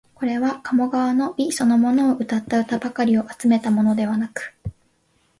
これは鴨川の美そのものをうたった歌ばかりを集めたものではなく、